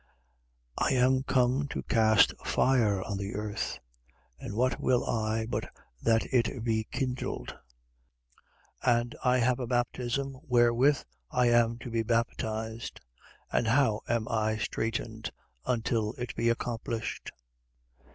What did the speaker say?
12:49. I am come to cast fire on the earth. And what will I, but that it be kindled? 12:50. And I have a baptism wherewith I am to be baptized. And how am I straitened until it be accomplished?